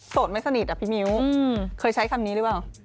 ไม่สนิทอ่ะพี่มิ้วเคยใช้คำนี้หรือเปล่า